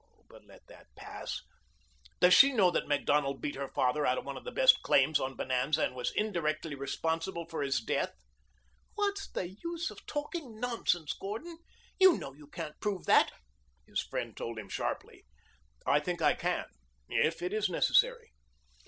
But let that pass. Does she know that Macdonald beat her father out of one of the best claims on Bonanza and was indirectly responsible for his death?" "What's the use of talking nonsense, Gordon. You know you can't prove that," his friend told him sharply. "I think I can if it is necessary."